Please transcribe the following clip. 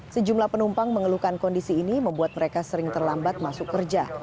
sejumlah penumpang mengeluhkan kondisi ini membuat mereka sering terlambat masuk kerja